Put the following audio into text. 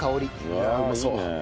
いやあうまそう。